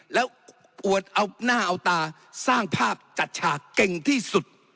แล้วอวดเอาหน้าเอาตาสร้างภาพจัดฉากเก่งที่สุด